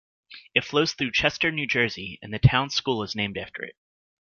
It flows through Chester, New Jersey and the town school is named after it.